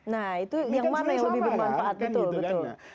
nah itu yang mana yang lebih bermanfaat